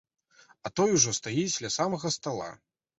А той ужо стаіць ля самага стала.